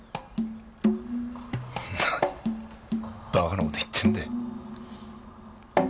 何バカな事言ってんだよ。